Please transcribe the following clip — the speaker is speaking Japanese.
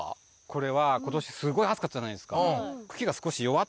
これは今年すごい暑かったじゃないですか